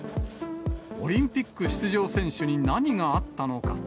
オリンピック出場選手に何があったのか。